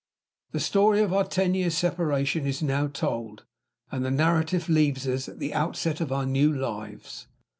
The story of our ten years' separation is now told; the narrative leaves us at the outset of our new lives.